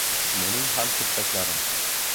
Mening ham kurtaklarim